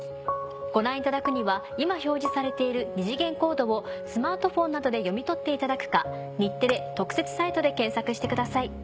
ご覧いただくには今表示されている二次元コードをスマートフォンなどで読み取っていただくか「日テレ特設サイト」で検索してください。